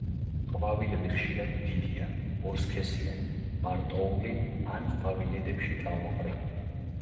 ყვავილები ხშირად დიდია, ორსქესიანი, მარტოული ან ყვავილედებში თავმოყრილი.